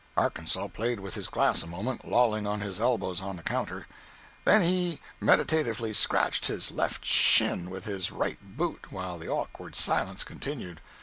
Arkansas played with his glass a moment, lolling on his elbows on the counter. Then he meditatively scratched his left shin with his right boot, while the awkward silence continued.